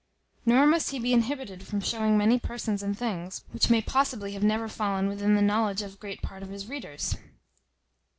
Nor must he be inhibited from showing many persons and things, which may possibly have never fallen within the knowledge of great part of his readers.